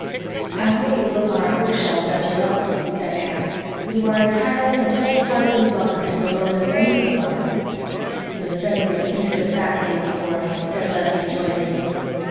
"I hope you'll look on our bookshelves as your own," said Anne. "You are entirely and wholeheartedly welcome to the loan of any book on them." "You are setting a feast of fat things before me," said Leslie, joyously.